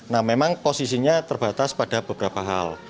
nah memang posisinya terbatas pada beberapa hal